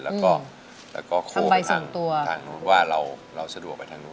แล้วก็โค้งไปทางนู้นว่าเราสะดวกไปทางนู้น